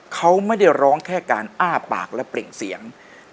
เขาไม่ได้ร้องแค่การอ้าปากและเปล่งเสียง